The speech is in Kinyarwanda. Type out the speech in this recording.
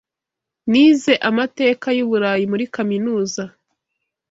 Nize amateka yuburayi muri kaminuza.